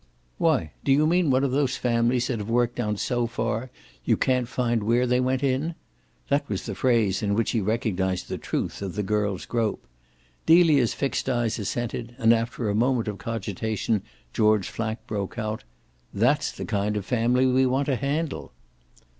"Why, do you mean one of those families that have worked down so far you can't find where they went in?" that was the phrase in which he recognised the truth of the girl's grope. Delia's fixed eyes assented, and after a moment of cogitation George Flack broke out: "That's the kind of family we want to handle!"